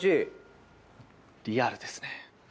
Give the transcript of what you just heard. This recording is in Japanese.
リアルですね。